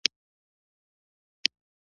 د کروندو د څاڅکې څاڅکي خړوبولو د لارو چارو.